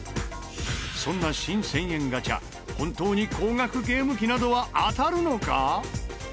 そんな新１０００円ガチャ本当に高額ゲーム機などは当たるのか？